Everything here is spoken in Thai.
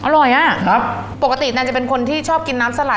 อร่อยอ่ะครับปกติแนนจะเป็นคนที่ชอบกินน้ำสลัด